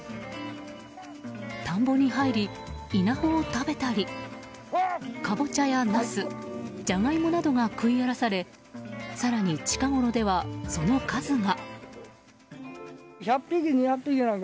田んぼに入り稲穂を食べたりカボチャやナスジャガイモなどが食い荒らされ更に、近ごろではその数が。